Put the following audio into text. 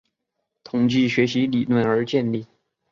统计学习理论而建立。